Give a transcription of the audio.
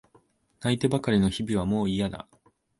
泣いてばかりの日々はもういやだ。